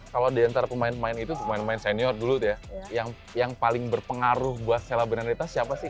kalau diantara pemain pemain itu pemain pemain senior dulu tuh ya yang paling berpengaruh buat sela branditas siapa sih